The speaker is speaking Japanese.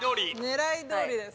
狙いどおりです。